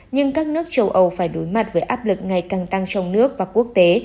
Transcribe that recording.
nhưng các nước châu âu phải đối mặt với áp lực ngày càng tăng trong nước và quốc tế